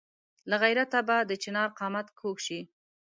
له غیرته به د چنار قامت کږ شي.